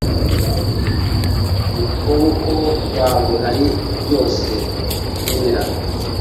mukuboko kwawe hari byose nkenera